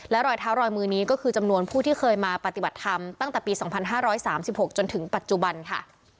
รอยเท้ารอยมือนี้ก็คือจำนวนผู้ที่เคยมาปฏิบัติธรรมตั้งแต่ปี๒๕๓๖จนถึงปัจจุบันค่ะ